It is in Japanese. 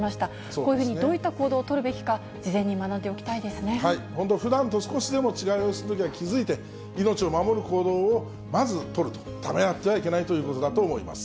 こういうふうにどういった行動を取るべきか、事前に学んでおきた本当、ふだんと少しでも違う様子のときは、気付いて、命を守る行動をまず取ると、ためらってはいけないということだと思います。